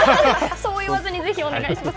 そう言わずに、ぜひお願いします。